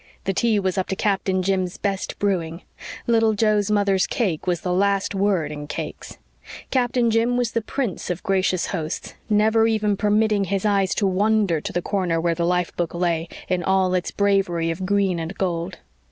The tea was up to Captain Jim's best brewing. Little Joe's mother's cake was the last word in cakes; Captain Jim was the prince of gracious hosts, never even permitting his eyes to wander to the corner where the life book lay, in all its bravery of green and gold.